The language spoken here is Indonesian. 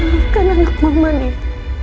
maafkan anak mama nih